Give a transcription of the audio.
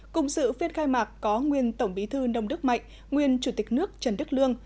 cùng sự phiên khai mạc có nguyên tổng bí thư nông đức mạnh nguyên chủ tịch nước trần đức lương